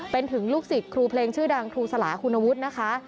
เป็นถึงลูกศิษย์ครูเพลงชื่อดังครูสลาคุณวุฒินะคะ